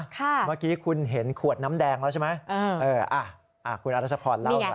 ค่ะค่ะคุณเห็นขวดน้ำแดงแล้วใช่ไหมเออคุณอาทิตย์พรเล่าหน่อย